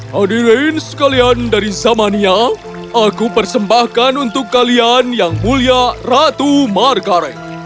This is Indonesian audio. hadirin sekalian dari zamania aku persembahkan untuk kalian yang mulia ratu margaret